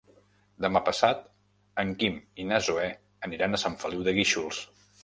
Demà passat en Quim i na Zoè aniran a Sant Feliu de Guíxols.